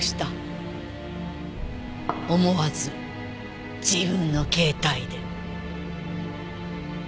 思わず自分の携帯で。